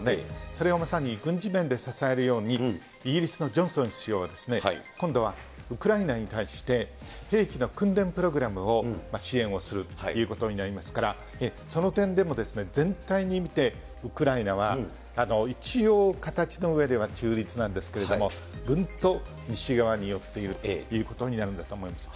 それをまさに軍事面で支えるように、イギリスのジョンソン首相は、今度はウクライナに対して、兵器の訓練プログラムを支援をするということになりますから、その点でも全体に見て、ウクライナは、一応形の上では中立なんですけれども、ぐんと西側に寄っているということになるんだと思うんです。